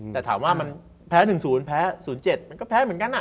แต่ถามว่ามันแพ้๑๐แพ้๐๗มันก็แพ้เหมือนกัน